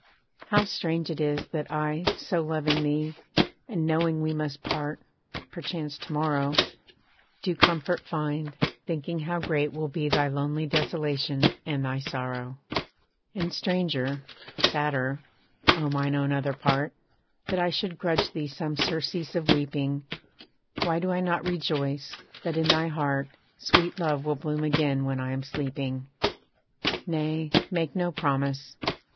How strange it is, that I, so loving thee, And knowing we must part, perchance to morrow, Do comfort find, thinking how great will be Thy lonely desolation, and thy sorrow. And stranger sadder, O mine own other part, That I should grudge thee some surcease of weeping; Why do I not rejoice, that in thy heart, Sweet love will bloom again when I am sleeping? Nay, make no promise.